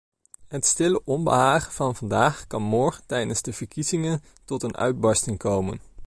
Het stille onbehagen van vandaag kan morgen tijdens de verkiezingen tot een uitbarsting komen.